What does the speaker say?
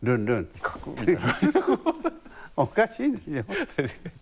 おかしいでしょ。